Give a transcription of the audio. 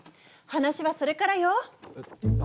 話はそれからよ！